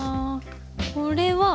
これは？